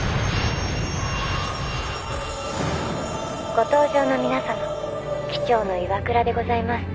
「ご搭乗の皆様機長の岩倉でございます」。